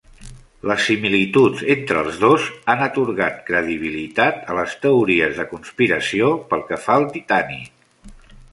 Les similituds entre els dos han atorgat credibilitat a les teories de conspiració pel que fa al Titanic.